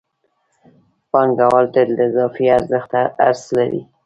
پانګوال تل د اضافي ارزښت حرص لري